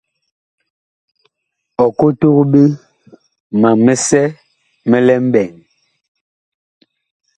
Ɔ kotog ɓe ma misɛ mi lɛ mɓɛɛŋ.